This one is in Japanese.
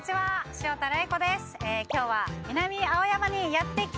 潮田玲子です。